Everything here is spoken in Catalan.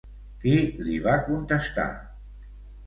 Qui li va contestar?